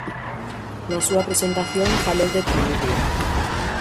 Na súa presentación falou de equilibrio.